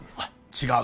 違う